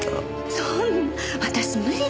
そんな私無理です。